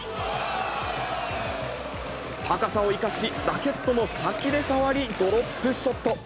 高さを生かし、ラケットの先で触り、ドロップショット。